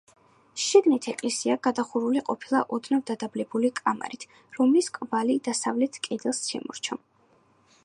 შიგნით ეკლესია გადახურული ყოფილა ოდნავ დადაბლებული კამარით, რომლის კვალი დასავლეთ კედელს შემორჩა.